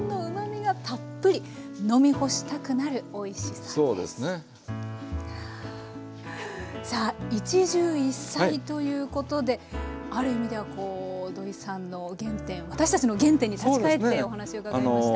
さあ一汁一菜ということである意味ではこう土井さんの原点私たちの原点に立ち返ってお話を伺いました。